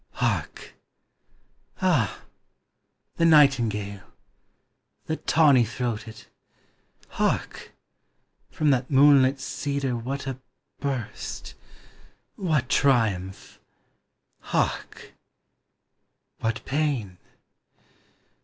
Hark! ah, the nightingale! The tawny throated! Hark! from that moonlit cedar what a burst! What triumph! hark, — what pain!